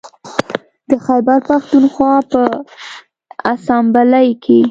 د خیبر پښتونخوا په اسامبلۍ کې